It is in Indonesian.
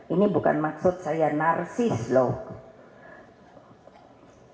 ini bukan maksud saya narsis loh